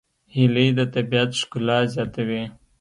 هیلۍ د طبیعت ښکلا زیاتوي